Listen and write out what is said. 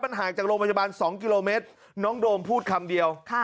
ห่างจากโรงพยาบาล๒กิโลเมตรน้องโดมพูดคำเดียว